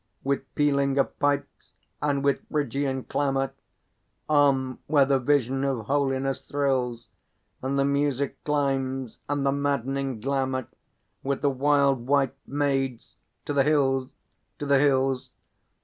With pealing of pipes and with Phrygian clamour, On, where the vision of holiness thrills, And the music climbs and the maddening glamour, With the wild White Maids, to the hills, to the hills!